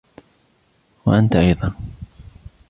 و أنت أيضا